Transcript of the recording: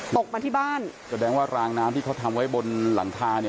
มาที่บ้านแสดงว่ารางน้ำที่เขาทำไว้บนหลังคาเนี่ย